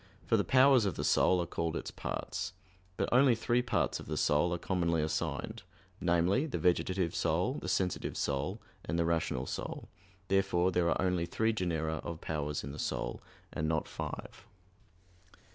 For the powers of the soul are called its parts. But only three parts of the soul are commonly assigned namely, the vegetative soul, the sensitive soul, and the rational soul. Therefore there are only three genera of powers in the soul, and not five.